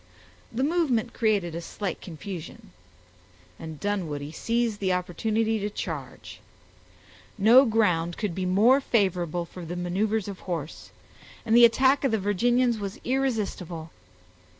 The movement created a slight confusion; and Dunwoodie seized the opportunity to charge. No ground could be more favorable for the maneuvers of horse, and the attack of the Virginians was irresistible.